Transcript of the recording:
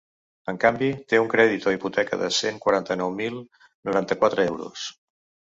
En canvi, té un crèdit o hipoteca de cent quaranta-nou mil noranta-quatre euros.